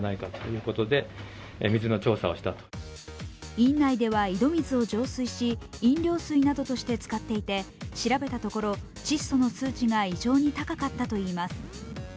院内では井戸水を浄水し、飲料水などとして使っていて、調べたところ、窒素の数値が異常に高かったといいます。